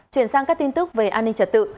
chuyển sang các tin tức về an ninh trật tự